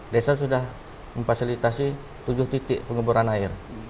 desa sudah memfasilitasi tujuh titik pengeboran air